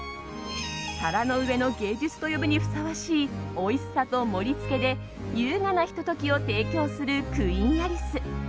皿の上の芸術と呼ぶにふさわしいおいしさと盛り付けで優雅なひと時を提供するクイーン・アリス。